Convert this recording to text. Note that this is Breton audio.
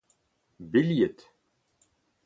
bilhed